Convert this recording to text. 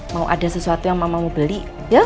mau ada sesuatu yang mama mau beli ya